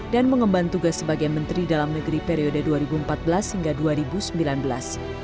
dan mengemban tugas sebagai menteri dalam negeri periode dua ribu empat belas hingga dua ribu sembilan belas